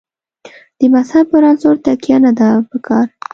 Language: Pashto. د مذهب پر عنصر تکیه نه ده په کار.